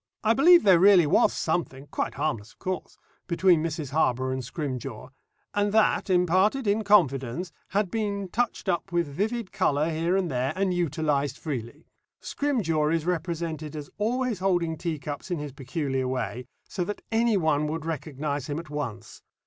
I believe there really was something quite harmless, of course between Mrs. Harborough and Scrimgeour, and that, imparted in confidence, had been touched up with vivid colour here and there and utilised freely. Scrimgeour is represented as always holding teacups in his peculiar way, so that anyone would recognise him at once.